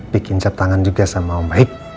bikin cat tangan juga sama om baik